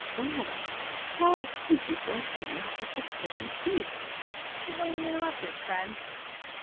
Ah, how could you Break in on such a pleasant sleep! DIDIER. 'Tis only Interrupted, friend!